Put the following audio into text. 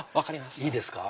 いいですか？